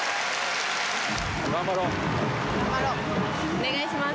お願いします。